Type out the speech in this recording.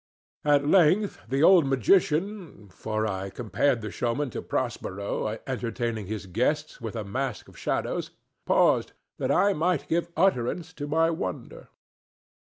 At length the old magician (for I compared the showman to Prospero entertaining his guests with a masque of shadows) paused that I might give utterance to my wonder.